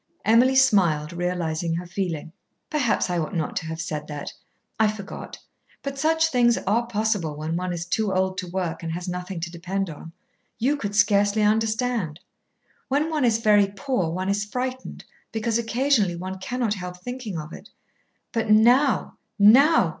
Emily smiled, realising her feeling. "Perhaps I ought not to have said that. I forgot. But such things are possible when one is too old to work and has nothing to depend on. You could scarcely understand. When one is very poor one is frightened, because occasionally one cannot help thinking of it." "But now now!